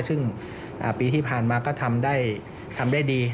ซึ่งปีที่ผ่านมาก็ทำได้ดี